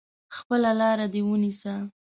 خپله لار دي ونیسه !